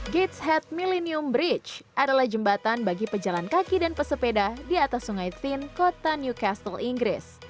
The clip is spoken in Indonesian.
gates head millennium bridge adalah jembatan bagi pejalan kaki dan pesepeda di atas sungai thin kota newcastle inggris